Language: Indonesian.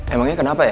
emangnya kenapa ya